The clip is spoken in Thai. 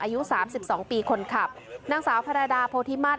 อายุสามสิบสองปีคนขับนางสาวพระรดาโพธิมาส